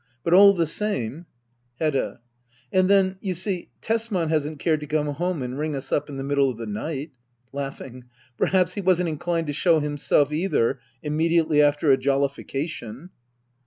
But all the same Hedda. And then, you see, Tesman hasn't cared to come home and ring us up in the middle of the night. [Laughing,'] Perhaps he wasn't inclined to show himself either — immediately after a jollification.